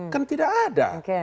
kan tidak ada